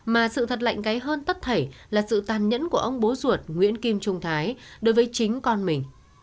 mà sự thật lạnh gáy hơn tất thảy là sự tàn nhẫn của ông bố ruột nguyễn kim trung thái đối với chính con mình